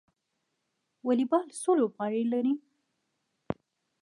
والیبال څو لوبغاړي لري؟